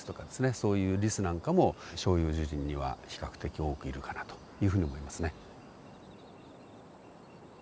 そういうリスなんかも照葉樹林には比較的多くいるかなというふうに思いますね。